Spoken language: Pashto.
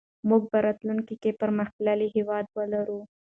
موږ به راتلونکي کې پرمختللی هېواد ولرو.